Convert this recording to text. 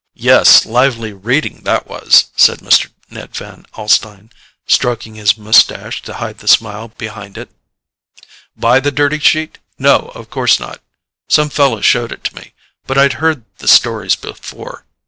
"Yes: lively reading that was," said Mr. Ned Van Alstyne, stroking his moustache to hide the smile behind it. "Buy the dirty sheet? No, of course not; some fellow showed it to me—but I'd heard the stories before.